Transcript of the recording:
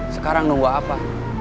sekarang nunggu apa